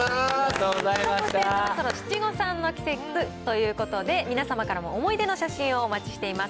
そろそろ七五三の季節ということで、皆様からも思い出の写真をお待ちしています。